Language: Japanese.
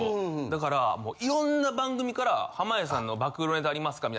だから色んな番組から「濱家さんの暴露ネタありますか？」